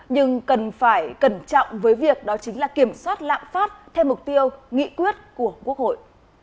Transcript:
nhưng cần phải cẩn trọng với việc đó chính là kiểm soát lạm phát theo mục tiêu nghị quyết của quốc hội